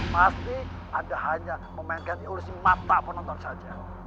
pasti anda hanya memainkan ilusi mata penonton saja